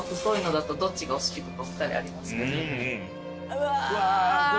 うわ。